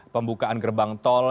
pembukaan gerbang tol